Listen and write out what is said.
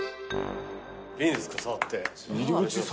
いいですか触って。